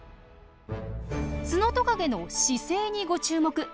ツノトカゲの姿勢にご注目！